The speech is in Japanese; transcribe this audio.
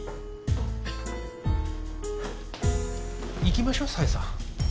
行きましょう紗英さん。